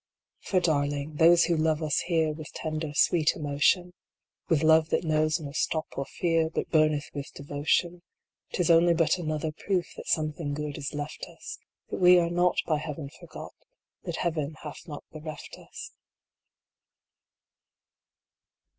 For darling, those who love us here With tender, sweet emotion, With love that knows no stop or fear, But burneth with devotion ; Tis only but another proof That something good is left us, That we are not by Heaven forgot, That Heaven hath not bereft us.